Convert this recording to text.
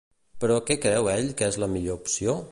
Però què creu ell que és la millor opció?